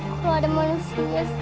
kalo ada manusia